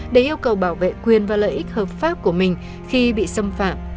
để yêu cầu bảo vệ quyền và lợi ích hợp pháp của mình khi bị xâm phạm